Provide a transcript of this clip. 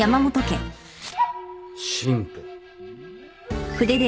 進歩。